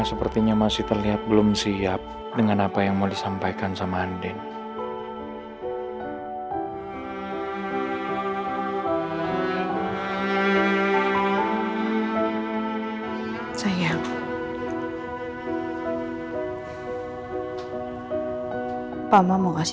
mama angin gak tinggalin aku di pantai asuhan